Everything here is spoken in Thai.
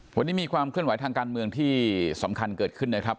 วันนี้มีความเคลื่อนไหวทางการเมืองที่สำคัญเกิดขึ้นนะครับ